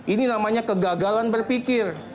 ini namanya kegagalan berpikir